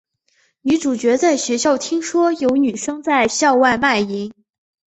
女主角在学校听说有女生在校外卖淫。